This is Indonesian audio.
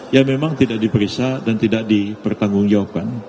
ya memang tidak diperiksa dan tidak dipertanggungjawabkan